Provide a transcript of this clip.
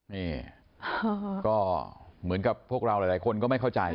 นี่ก็เหมือนกับพวกเราหลายคนก็ไม่เข้าใจ